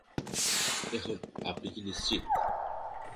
এখন, আপনি কি নিশ্চিত?